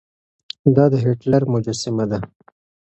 دا د هېټلر مجسمه ده.